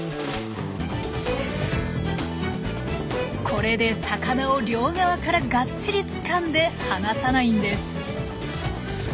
これで魚を両側からがっちりつかんで離さないんです。